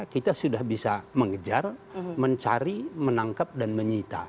kita sudah bisa mengejar mencari menangkap dan menyita